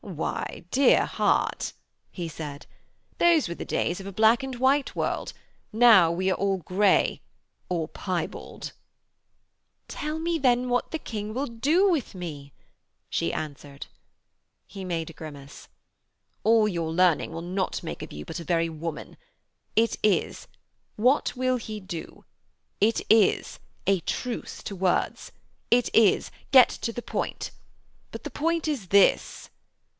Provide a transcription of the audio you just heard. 'Why, dear heart,' he said, 'those were the days of a black and white world; now we are all grey or piebald.' 'Then tell me what the King will do with me,' she answered. He made a grimace. 'All your learning will not make of you but a very woman. It is: What will he do? It is: A truce to words. It is: Get to the point. But the point is this....'